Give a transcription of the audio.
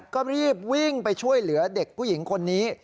ก็รีบวิ่งไปช่วยเหลือเด็กผู้หญิงคนนี้